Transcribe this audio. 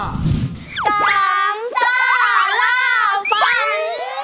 สามซ่าล่าฝัน